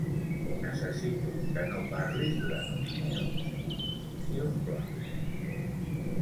Necessito que no parlis durant uns minuts, si us plau.